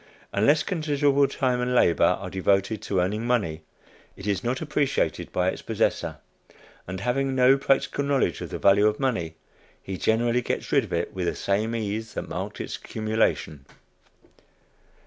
Unless considerable time and labor are devoted to earning money, it is not appreciated by its possessor; and, having no practical knowledge of the value of money, he generally gets rid of it with the same ease that marked its accumulation.